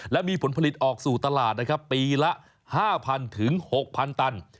และมีผลผลิตออกสู่ตลาดนะครับปีละ๕๐๐๖๐๐ตัน